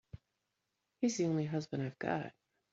He's the only husband I've got.